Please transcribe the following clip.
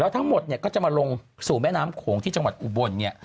แล้วทั้งหมดก็จะมาลงสู่แม่น้ำโขงที่จังหวัดอุบล